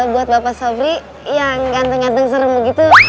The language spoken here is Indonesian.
buat bapak sopri yang ganteng ganteng serem begitu